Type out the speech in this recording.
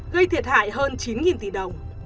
gây thiệt hại hơn chín tỷ đồng